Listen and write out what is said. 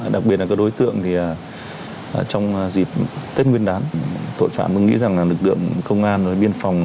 đặc biệt là các đối tượng thì trong dịp tết nguyên đán tội phạm cũng nghĩ rằng là lực lượng công an biên phòng